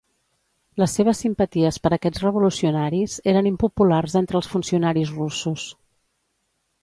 Les seves simpaties per aquests revolucionaris eren impopulars entre els funcionaris russos.